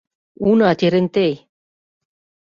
— Уна Терентей!..